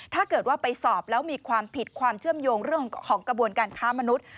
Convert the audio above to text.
ถ้าเกิดว่าไปสอบแล้วมีความผิดความเชื่อมโยงเรื่องของกระบวนการค้ามนุษย์